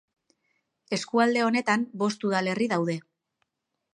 Eskualde honetan bost udalerri daude.